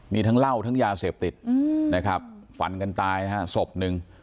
มีทั้งเหล้าทั้งยาเสพติดนะครับฝันกันตายนะฮะศพหนึ่ง